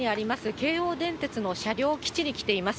京王電鉄の車両基地に来ています。